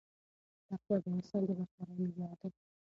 تقوا د انسان د برترۍ معیار دی